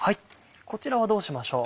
こちらはどうしましょう？